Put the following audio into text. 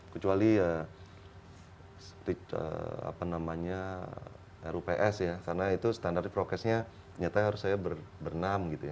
kecuali ya apa namanya rups ya karena itu standar prokesnya nyatanya harus saya bernam gitu ya